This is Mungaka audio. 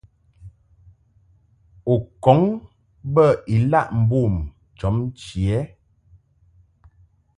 U kɔŋ bə ilaʼ mbom jɔbnchi ɛ ?